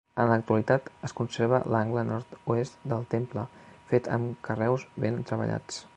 En l'actualitat es conserva l'angle nord-oest del temple, fet amb carreus ben treballats.